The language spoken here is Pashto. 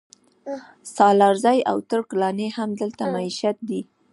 سالارزي او ترک لاڼي هم دلته مېشت دي